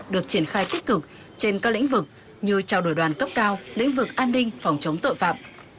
được triển khai tích cực trên các lĩnh vực như trao đổi đoàn cấp cao lĩnh vực an ninh phòng chống tội phạm